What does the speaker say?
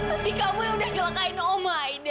pasti kamu yang udah jelakain oma aida